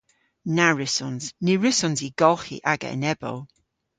Na wrussons. Ny wrussons i golghi aga enebow.